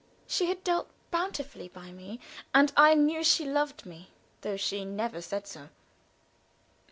She had dealt bountifully by me, and I knew she loved me, though she never said so.